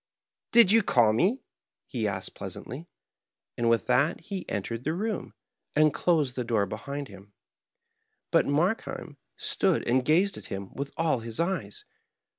" Did you call me ?" he asked pleasantly, and with that he entered the room, and closed the door behind him. But Markheim stood and gazed at him with all his eyes.